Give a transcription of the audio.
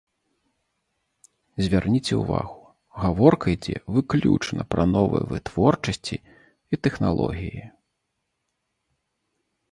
Звярніце ўвагу, гаворка ідзе выключна пра новыя вытворчасці і тэхналогіі.